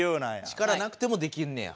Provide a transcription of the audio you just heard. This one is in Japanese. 力なくてもできんねや。